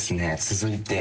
続いて。